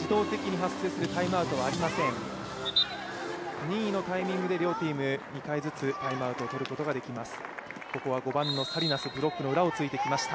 任意のタイミングで両チームタイムアウトを取ることができます。